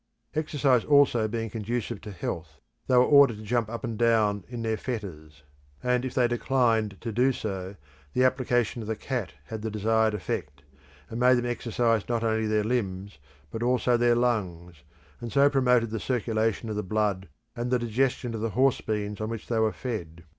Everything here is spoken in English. Exercise also being conducive to health, they were ordered to jump up and down in their fetters; and if they declined to do so, the application of the cat had the desired effect, and made them exercise not only their limbs, but also their lungs, and so promoted the circulation of the blood and the digestion of the horse beans on which they were fed.